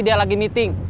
dia lagi meeting